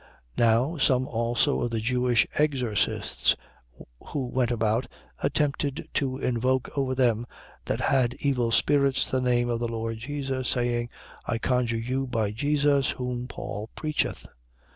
19:13. Now some also of the Jewish exorcists, who went about, attempted to invoke over them that had evil spirits the name of the Lord Jesus, saying: I conjure you by Jesus, whom Paul preacheth.